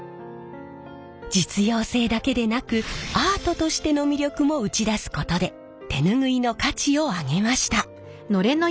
実用性だけでなくアートとしての魅力も打ち出すことで手ぬぐいの価値を上げました。